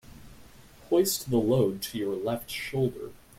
Hoist the load to your left shoulder.